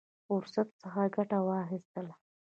فرصت څخه ګټه واخیستله.